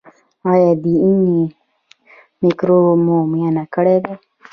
ایا د ینې مکروب مو معاینه کړی دی؟